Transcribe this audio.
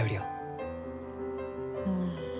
うん。